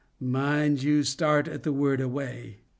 Mind you, start at the word 'away.